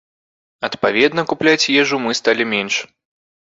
Адпаведна, купляць ежу мы сталі менш.